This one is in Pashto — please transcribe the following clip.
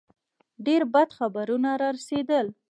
ډېر بد خبرونه را رسېدل.